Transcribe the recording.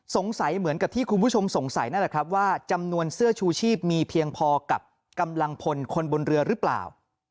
เหมือนกับที่คุณผู้ชมสงสัยนั่นแหละครับว่าจำนวนเสื้อชูชีพมีเพียงพอกับกำลังพลคนบนเรือหรือเปล่า